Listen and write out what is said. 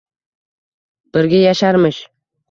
Birga yasharmish?!